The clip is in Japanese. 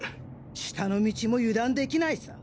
下の道も油断できないさ。